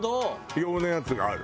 用のやつがある。